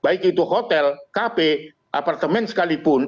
baik itu hotel cafe apartemen sekalipun dan lain lain juga untuk menjelaskan hal tersebut